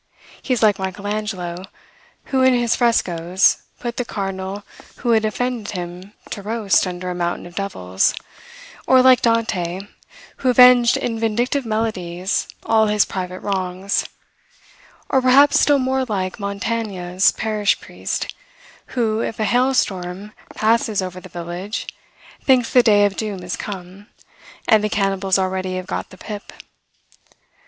He is like Michel Angelo, who, in his frescoes, put the cardinal who had offended him to roast under a mountain of devils; or, like Dante, who avenged, in vindictive melodies, all his private wrongs; or, perhaps still more like Montaigne's parish priest, who, if a hailstorm passes over the village, thinks the day of doom has come, and the cannibals already have got the pip.